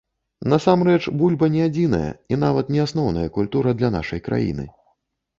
Насамрэч, бульба не адзіная і нават не асноўная культура для нашай краіны.